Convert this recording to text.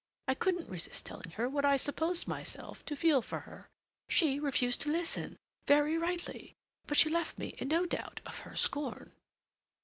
I couldn't resist telling her what I supposed myself to feel for her. She refused to listen, very rightly. But she left me in no doubt of her scorn."